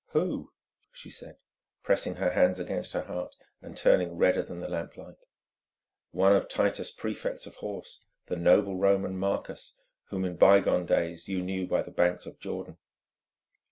"Who?" she said, pressing her hands against her heart and turning redder than the lamplight. "One of Titus' prefects of horse, the noble Roman, Marcus, whom in byegone days you knew by the banks of Jordan."